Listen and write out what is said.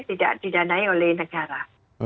tidak didanai oleh negara